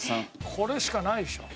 これしかないでしょ。